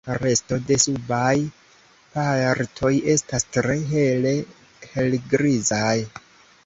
Resto de subaj partoj estas tre hele helgrizaj.